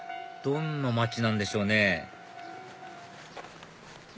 どんな町なんでしょうね